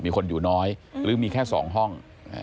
มีคนอยู่น้อยหรือมีแค่๒ห้อง